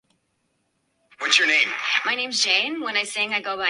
El modelo estático lee y codifica utilizando la probabilidad de aparición de cada carácter.